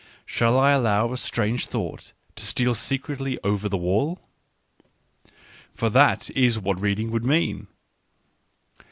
Shall I allow a strange thought to steal secretly over the wall ? For that is what reading would mean.